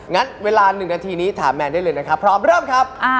งั้นเวลา๑นาทีนี้ถามแมนได้เลยนะครับพร้อมเริ่มครับ